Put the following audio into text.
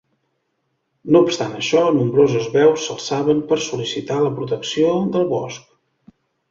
No obstant això, nombroses veus s'alçaven per sol·licitar la protecció del bosc.